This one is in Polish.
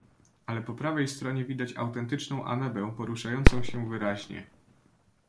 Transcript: "Ale po prawej stronie widać autentyczną amebę, poruszającą się wyraźnie."